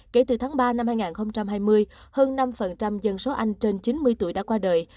kể từ tháng ba năm hai nghìn hai mươi hơn năm dân số anh trên chín mươi tuổi đã qua đời